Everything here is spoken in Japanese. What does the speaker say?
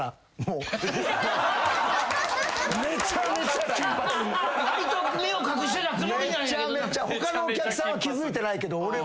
他のお客さんは気付いてないけど俺。